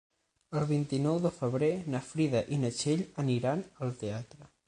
El vint-i-nou de febrer na Frida i na Txell aniran al teatre.